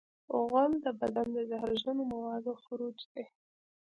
غول د بدن د زهرجنو موادو خروج دی.